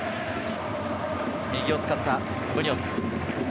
右を使ったムニョス。